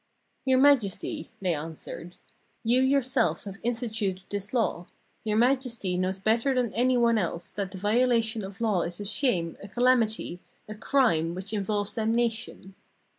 'Your Majesty,' they answered, 'you yourself have in stituted this law: Your Majesty knows better than any one else that the violation of law is a shame, a calamity, a crime which involves damnation.